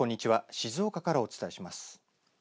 静岡からお伝えします。